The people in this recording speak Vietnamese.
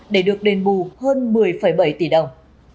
để được đền bù hơn một mươi bảy tỷ đồng